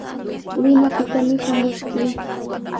Limapitami shamuskii.